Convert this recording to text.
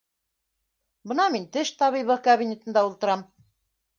Бына мин теш табибы кабинетында ултырам.